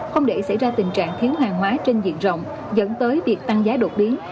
không để xảy ra tình trạng thiếu hàng hóa trên diện rộng dẫn tới việc tăng giá đột biến